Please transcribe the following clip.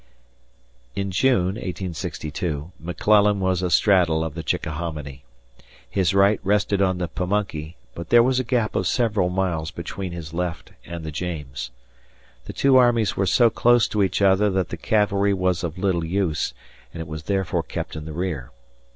In June (1862) McClellan was astraddle of the Chickahominy; his right rested on the Pamunkey, but there was a gap of several miles between his left and the James. The two armies were so close to each other that the cavalry was of little use, and it was therefore kept in the rear.